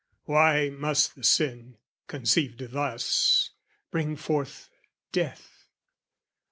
Why must the sin, conceived thus, bring forth death?